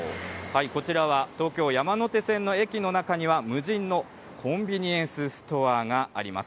こちらは東京・山手線の駅の中には、無人のコンビニエンスストアがあります。